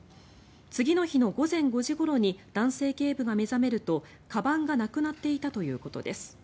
次の日の午前５時ごろに男性警部が目覚めるとかばんがなくなっていたということです。